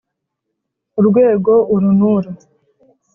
urwego uru n uru